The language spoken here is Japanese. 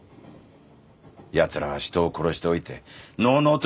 やつらは人を殺しておいてのうのうと生きていやがる。